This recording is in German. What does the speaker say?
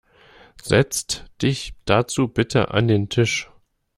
Setzt dich dazu bitte an den Tisch.